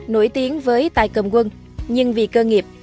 nổi tiếng với tài cầm quân nhưng vì cơ nghiệp